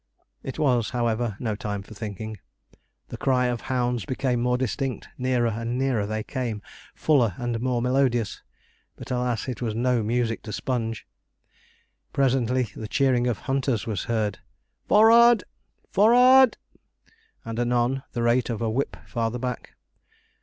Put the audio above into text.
It was, however, no time for thinking. The cry of hounds became more distinct nearer and nearer they came, fuller and more melodious; but, alas! it was no music to Sponge. Presently the cheering of hunters was heard 'FOR rard! FOR rard!' and anon the rate of a whip farther back.